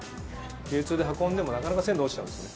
流通で運んでもなかなか鮮度落ちちゃうんです。